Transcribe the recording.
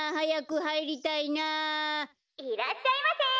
「いらっしゃいませ！」。